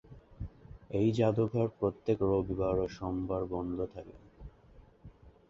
এই জাদুঘর প্রত্যেক রবিবার ও সোমবার বন্ধ থাকে।